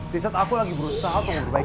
di saat aku lagi berusaha untuk berbaik